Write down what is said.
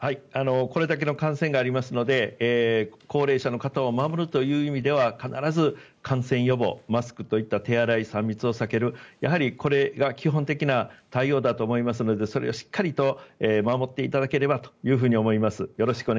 これだけの感染がありますので高齢者の方を守るという意味では必ず感染予防、マスク手洗い、３密を避けるやはり、これが基本的な対応だと思いますのでそれをしっかりと守っていただければと思います。